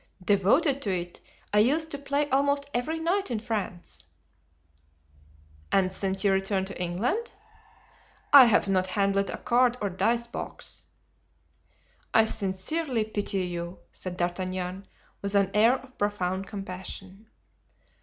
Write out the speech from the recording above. "Devoted to it. I used to play almost every night in France." "And since your return to England?" "I have not handled a card or dice box." "I sincerely pity you," said D'Artagnan, with an air of profound compassion.